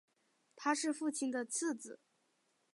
他是父亲的次子。